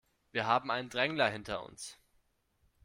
Wir haben einen Drängler hinter uns.